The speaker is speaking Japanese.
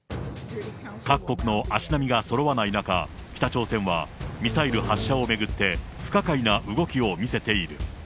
各国の足並みがそろわない中、北朝鮮は、ミサイル発射を巡って、不可解な動きを見せている。